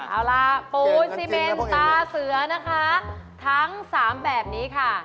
เอาล่ะปูนซีเมนตาเสือนะคะทั้ง๓แบบนี้ค่ะ